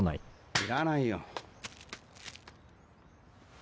いらないよ。